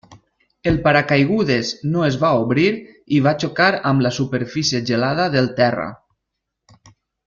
El paracaigudes no es va obrir i va xocar amb la superfície gelada del terra.